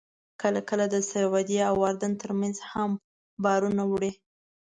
کله کله د سعودي او اردن ترمنځ هم بارونه وړي.